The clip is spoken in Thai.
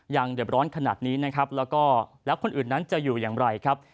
เดือบร้อนขนาดนี้นะครับแล้วก็แล้วคนอื่นนั้นจะอยู่อย่างไรครับ